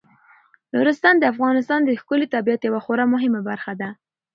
نورستان د افغانستان د ښکلي طبیعت یوه خورا مهمه برخه ده.